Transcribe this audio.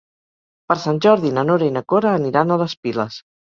Per Sant Jordi na Nora i na Cora aniran a les Piles.